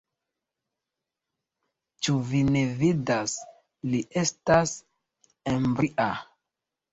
Ĉu vi ne vidas, li estas ebria.